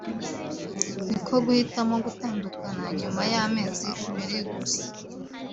niko guhitamo gutandukana nyuma y’ amezi abiri gusa